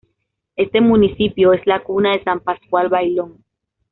Este municipio es la cuna de San Pascual Bailón.